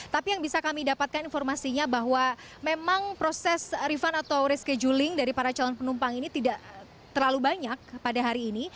tapi yang bisa kami dapatkan informasinya bahwa memang proses refund atau rescheduling dari para calon penumpang ini tidak terlalu banyak pada hari ini